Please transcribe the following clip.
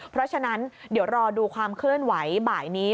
เพราะฉะนั้นเดี๋ยวรอดูความเคลื่อนไหวบ่ายนี้